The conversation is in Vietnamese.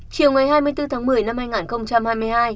chiều ngày hai mươi bốn tháng một mươi năm hai nghìn hai mươi hai